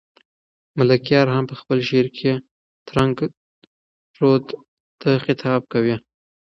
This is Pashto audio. ملکیار هم په خپل شعر کې ترنک رود ته خطاب کوي.